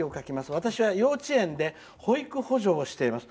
私は幼稚園で保育補助をしています」